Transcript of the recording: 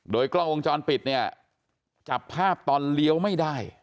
โดยกล้องวงจรปิดเนี่ยจับภาพตอนเลี้ยวไม่ได้